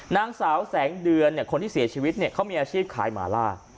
นางสาวแสงเดือนคนที่เสียชีวิตเขามีอาชีพขายหมาล่า